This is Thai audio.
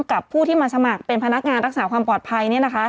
กับผู้ที่มาสมัครเป็นพนักงานรักษาความปลอดภัย